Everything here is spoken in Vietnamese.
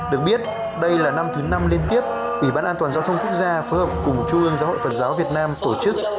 được biết đây là năm thứ năm liên tiếp ủy ban an toàn giao thông quốc gia phối hợp cùng trung ương giáo hội phật giáo việt nam tổ chức